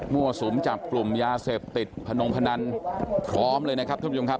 สุมจับกลุ่มยาเสพติดพนงพนันพร้อมเลยนะครับท่านผู้ชมครับ